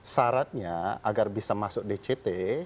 syaratnya agar bisa masuk dct